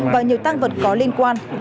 và nhiều tăng vật có liên quan